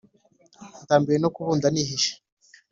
Ndambiwe no kubunda nihishe